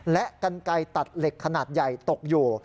และกันไกลตัดเหล็กขนาดใหญ่ตกอยู่